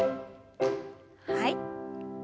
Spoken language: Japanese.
はい。